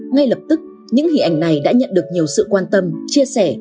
ngay lập tức những hình ảnh này đã nhận được nhiều sự quan tâm chia sẻ